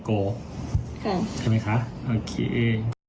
โอเค